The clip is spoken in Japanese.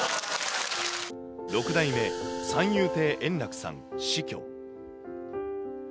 ６代目三遊亭円楽さん死去。